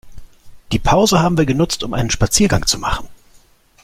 Die Pause haben wir genutzt, um einen Spaziergang zu machen.